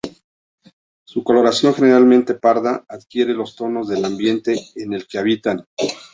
Su coloración, generalmente parda, adquiere los tonos del ambiente en el que habitan.